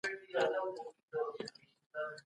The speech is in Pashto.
ايا انسان بايد د خپل انساني کرامت ارزښت وپېژني؟